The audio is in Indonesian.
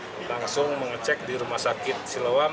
dan memang korban langsung mengecek di rumah sakit siloam